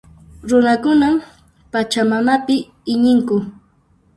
Runakunan Pachamamapi iñinku.